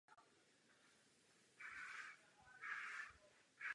Přednášel na New York University v Praze.